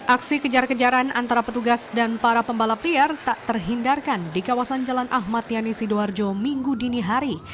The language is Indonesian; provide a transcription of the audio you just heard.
aksi kejar kejaran antara petugas dan para pembalap liar tak terhindarkan di kawasan jalan ahmad yani sidoarjo minggu dini hari